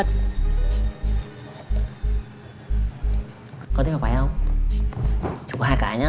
con thích cái nào